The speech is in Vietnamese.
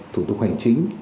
thủ tục hành chính